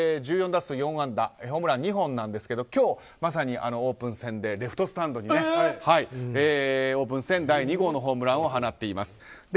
１４打数４安打ホームラン２本なんですが今日まさにオープン戦でレフトスタンドにオープン戦第２号のホームランを放っています。